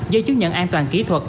dây chứng nhận an toàn kỹ thuật